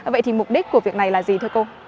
vậy thì mục đích của việc này là gì thưa cô